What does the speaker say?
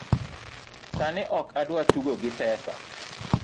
Sani ok adwa tugo gi pesa